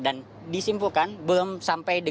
dan disimpulkan belum sampai